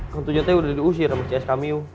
kang tunjate udah diusir sama cskmu